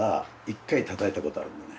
一回たたいたことあるんだね